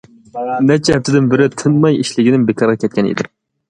نەچچە ھەپتىدىن بىرى تىنماي ئىشلىگىنىم بىكارغا كەتكەن ئىدى.